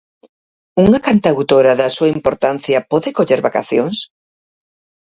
Unha cantautora da súa importancia pode coller vacacións?